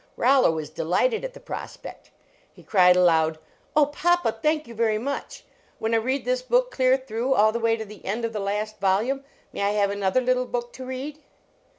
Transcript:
Rollo was delighted at the prospect. He cried aloud : Oh, papa ! thank you very much. When I read this book clear through, all the way to the end of the last volume, may I have an other little book to read